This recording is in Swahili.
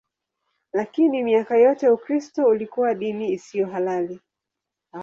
Lakini miaka yote Ukristo ulikuwa dini isiyo halali.